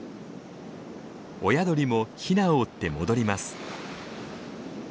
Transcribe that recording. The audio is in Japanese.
親鳥もヒナを追って戻ります。